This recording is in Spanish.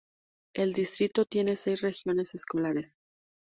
El distrito tiene seis regiones escolares.